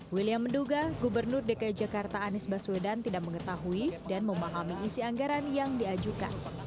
william menduga gubernur dki jakarta anies baswedan tidak mengetahui dan memahami isi anggaran yang diajukan